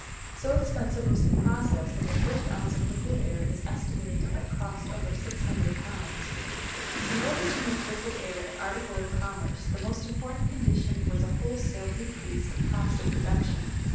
So expensive was the process that the first ounce of liquid air is estimated to have cost over £600! In order to make liquid air an article of commerce the most important condition was a wholesale decrease in cost of production.